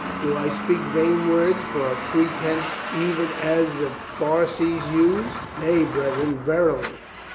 "Do I speak vain words for a pretense, even as the Pharisees use? Nay, brethren, verily.